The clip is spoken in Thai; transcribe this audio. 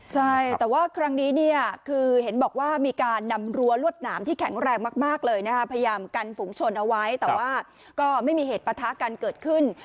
ใช่แต่ว่าครั้งนี้เนี่ยคือเห็นบอกว่ามีการนำรั้วลวดหนามที่แข็งแรงมากเลยนะคะพยายามกันฝุงชนเอาไว้แต่ว่าก็ไม่มีเหตุประทะกันเกิดขึ้น